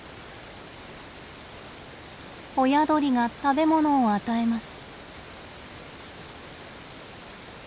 親鳥が食べ物を与えます。